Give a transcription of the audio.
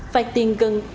phạt tiền là một đồng